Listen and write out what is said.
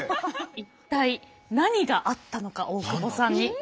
一体何があったのか大久保さんに。